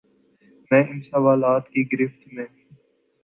میں ان سوالات کی گرفت میں ہوں۔